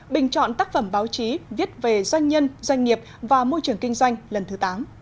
bình chọn tác phẩm báo chí viết về doanh nhân doanh nghiệp và môi trường kinh doanh lần thứ tám